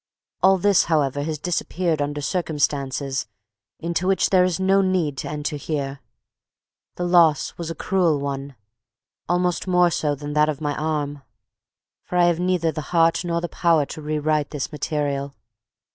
All this, however, has disappeared under circumstances into which there is no need to enter here. The loss was a cruel one, almost more so than that of my arm; for I have neither the heart nor the power to rewrite this material.